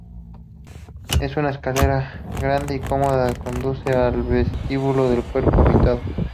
Una escalera grande y cómoda conduce al vestíbulo del cuerpo habitado.